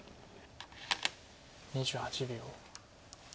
２８秒。